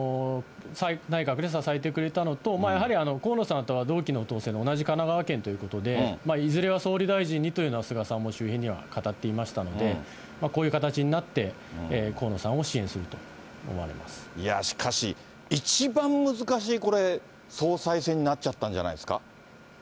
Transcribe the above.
内閣で支えてくれたのと、やはり河野さんとは同期の当選で同じ神奈川県ということで、いずれは総理大臣にというのは、菅さんも周辺には語っていましたので、こういう形になって、いや、しかし、一番難しいこれ、総裁選になっちゃったんじゃないですか。